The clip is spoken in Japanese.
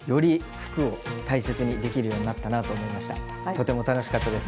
とても楽しかったです。